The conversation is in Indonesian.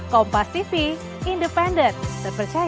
kompas tv independen terpercaya